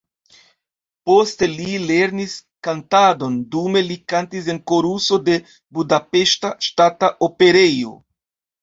Poste li lernis kantadon, dume li kantis en koruso de Budapeŝta Ŝtata Operejo.